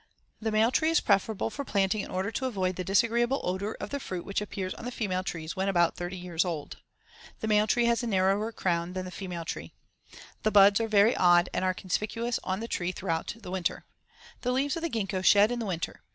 The male tree is preferable for planting in order to avoid the disagreeable odor of the fruit which appears on the female trees when about thirty years old. The male tree has a narrower crown than the female tree. The buds (Fig. 46) are very odd and are conspicuous on the tree throughout the winter. The leaves of the gingko shed in the winter.